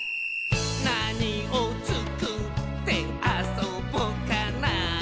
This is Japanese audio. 「なにをつくってあそぼかな」